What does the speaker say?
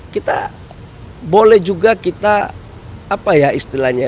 kita boleh juga kita apa ya istilahnya